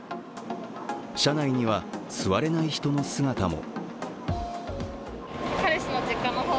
車内には座れない人の姿も。